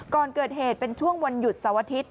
ก่อนเกิดเหตุเป็นช่วงวันหยุดเสาร์อาทิตย์